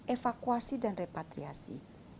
evakuasi dan repatriasi